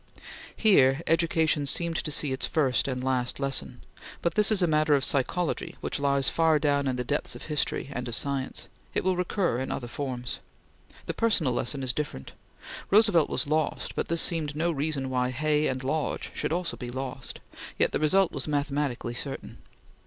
Here, education seemed to see its first and last lesson, but this is a matter of psychology which lies far down in the depths of history and of science; it will recur in other forms. The personal lesson is different. Roosevelt was lost, but this seemed no reason why Hay and Lodge should also be lost, yet the result was mathematically certain.